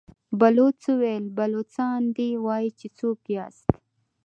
بلوڅ وويل: بلوڅان دي، وايي چې څوک ياست؟